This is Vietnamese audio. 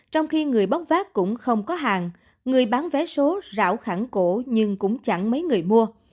trong khi người bóc phát cũng không có hàng người bán vé số rảo khẳng cổ nhưng cũng chẳng mấy người mua